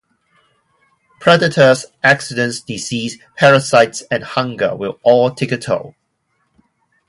Predators, accidents, disease, parasites and hunger will all take a toll.